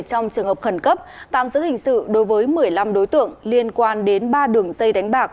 trong trường hợp khẩn cấp tạm giữ hình sự đối với một mươi năm đối tượng liên quan đến ba đường dây đánh bạc